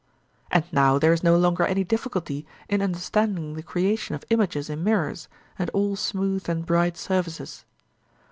And now there is no longer any difficulty in understanding the creation of images in mirrors and all smooth and bright surfaces.